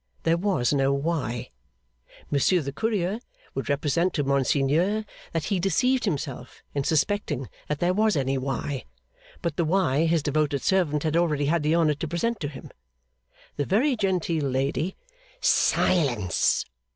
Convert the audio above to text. There was no why. Monsieur the Courier would represent to Monseigneur, that he deceived himself in suspecting that there was any why, but the why his devoted servant had already had the honour to present to him. The very genteel lady 'Silence!